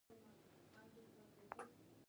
شتمن خلک د ځان پر ځای د نورو لپاره هم فکر کوي.